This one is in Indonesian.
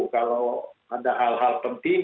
kalau ada hal hal penting